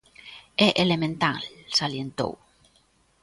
É elemental, salientou.